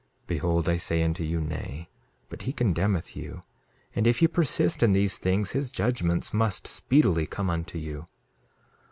Behold, I say unto you, Nay. But he condemneth you, and if ye persist in these things his judgments must speedily come unto you.